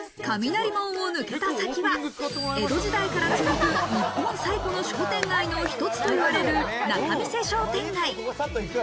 雷門を抜けた先は江戸時代から続く日本最古の商店街の一つと言われる仲見世商店街。